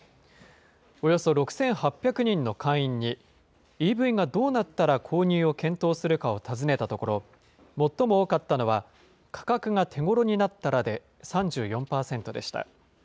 およそ６８００人の会員に、ＥＶがどうなったら購入を検討するかを尋ねたところ、最も多かったのは価格が手ごろになったらで３４％でした。